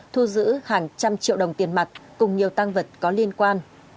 thu giữ hàng trăm triệu đồng tiền mặt cùng nhiều tăng vật có liên quan